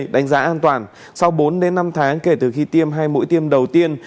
đánh giá an toàn sau bốn đến năm tháng kể từ khi tiêm hai mũi tiêm đầu tiên